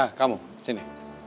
hai ah kamu sini